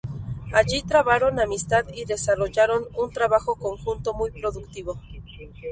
Allí trabaron amistad y desarrollaron un trabajo conjunto muy productivo.